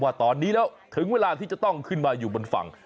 ว่าตอนนี้แล้วถึงเวลาที่จะต้องขึ้นมาอยู่บนฝั่ง